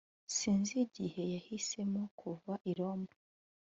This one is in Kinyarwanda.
Sinzi igihe yahisemo kuva i Roma